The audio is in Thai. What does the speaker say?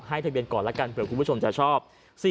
ทะเบียนก่อนแล้วกันเผื่อคุณผู้ชมจะชอบ